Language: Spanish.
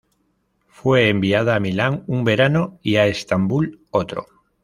Fue enviada a Milán un verano y a Estambul otro.